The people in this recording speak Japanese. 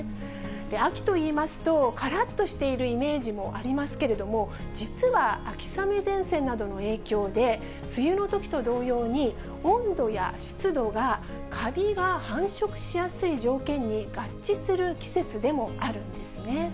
秋といいますと、からっとしているイメージもありますけれども、実は秋雨前線などの影響で、梅雨のときと同様に、温度や湿度が、カビが繁殖しやすい条件に合致する季節でもあるんですね。